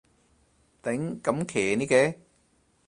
頂，咁騎呢嘅